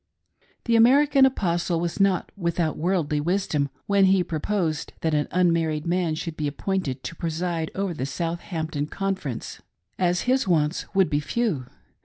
The American Apostle was not without worldly wisdom when he proposed that an unmarried man should be appointed to preside over the Southampton conference, as his wants would be few.